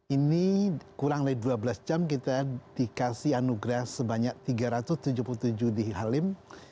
ini kurang lebih dua belas jam kita dikasih anugerah sebanyak tiga ratus tujuh puluh tujuh di halim